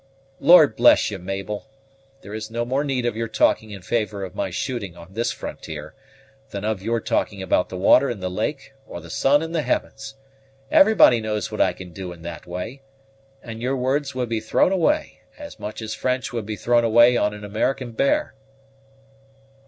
"Lord bless you, Mabel! there is no more need of your talking in favor of my shooting on this frontier, than of your talking about the water in the lake or the sun in the heavens. Everybody knows what I can do in that way, and your words would be thrown away, as much as French would be thrown away on an American bear."